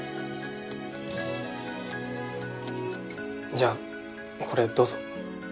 じゃあこれどうぞ。